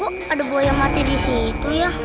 kok ada buaya mati disitu ya